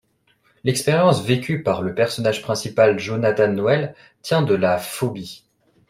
L'expérience vécue par le personnage principal, Jonathan Noël, tient de la phobie.